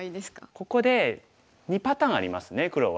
ここで２パターンありますね黒は。